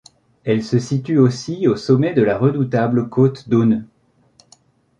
Elle se situe aussi au sommet de la redoutable côte d'Oneux.